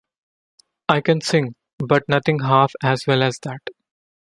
I can sing, but nothing half as well as that.